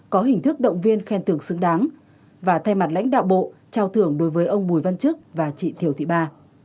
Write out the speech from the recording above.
có hình thức động viên khen tưởng xứng đáng và thay mặt lãnh đạo bộ trao thưởng đối với ông bùi văn chức và chị thiều thị ba